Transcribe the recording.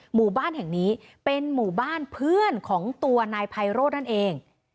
หมู่บ้านแห่งนี้เป็นหมู่บ้านเพื่อนของตัวนายไพโรธนั่นเอง